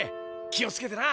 気をつけてな！